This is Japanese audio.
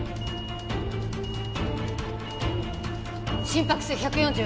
心拍数１４０！